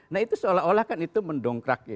nah itu seolah olah kan itu mendongkrak ya